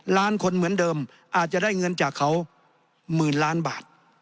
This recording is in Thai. ล้านคนเหมือนเดิมอาจจะได้เงินจากเขาหมื่นล้านบาท